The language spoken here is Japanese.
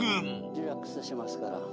リラックスしますから。